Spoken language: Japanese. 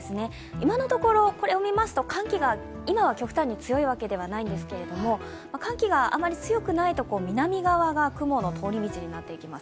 今のところこれを見ますと寒気が今は極端に強いわけではないんですが、寒気があまり強くないところ、南側が雲の通り口になってきます。